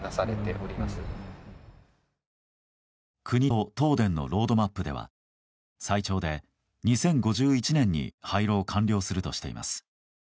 国と東電のロードマップでは最長で２０５１年に廃炉を完了するとしています。